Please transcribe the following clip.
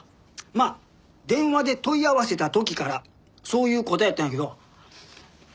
まあ電話で問い合わせた時からそういう答えやったんやけど。